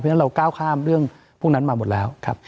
เพราะฉะนั้นเราก้าวข้ามเรื่องพวกนั้นมาหมดแล้วครับ